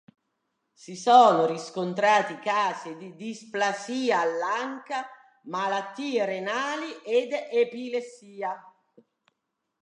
Si sono riscontrati casi di displasia all'anca, malattie renali ed epilessia.